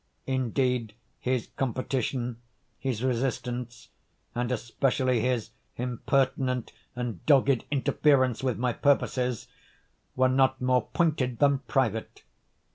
Indeed, his competition, his resistance, and especially his impertinent and dogged interference with my purposes, were not more pointed than private.